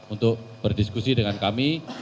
untuk berdiskusi dengan kami